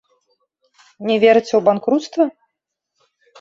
Не верыце ў банкруцтва?